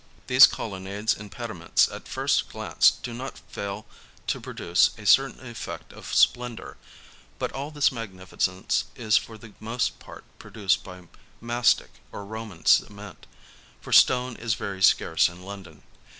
These colon nades and pediments at the first glance do not fail to pro duce a certain effect of splendour ; but all this magnificence is for the most part produced by mastic, or Roman cement, for stone is very scarce in London.